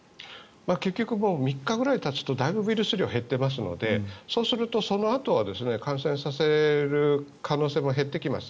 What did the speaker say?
結局３日ぐらいたつとだいぶウイルス量は減っていますのでそのあとは感染させる可能性も減ってきます。